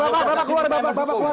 bapak keluar bapak keluar